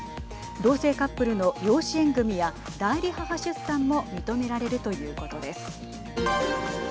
同性カップルの養子縁組みや代理母出産も認められるということです。